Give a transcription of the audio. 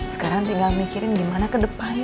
sekarang tinggal mikirin gimana ke depannya